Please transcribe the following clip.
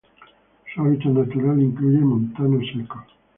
Su hábitat natural incluye montanos secos.